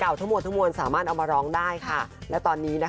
การเดินทางปลอดภัยทุกครั้งในฝั่งสิทธิ์ที่หนูนะคะ